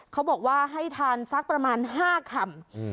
เขาบอกว่าให้ทานสักประมาณ๕คำ